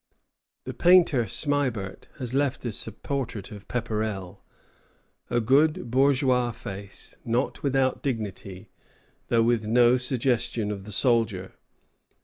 ] The painter Smibert has left us a portrait of Pepperrell, a good bourgeois face, not without dignity, though with no suggestion of the soldier.